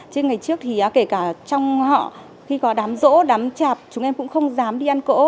trên ngày trước thì kể cả trong họ khi có đám rỗ đám chạp chúng em cũng không dám đi ăn cỗ